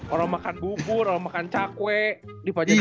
orang makan bubur orang makan cakwe di pajajaran